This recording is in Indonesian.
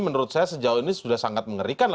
menurut saya sejauh ini sudah sangat mengerikan